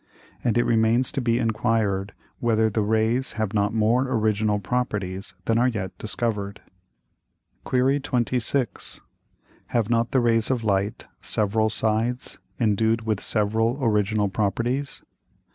And it remains to be enquired, whether the Rays have not more original Properties than are yet discover'd. Qu. 26. Have not the Rays of Light several sides, endued with several original Properties?